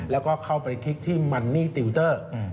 แล้วก็เข้าไปคลิกที่มันนี่ติวเตอร์